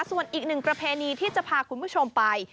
ส่วนอีกหนึ่งประเพณีที่จะพาคุณผู้ชมไป